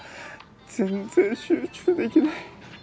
全然集中できない。